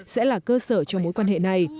sẽ là cơ sở cho mối quan hệ này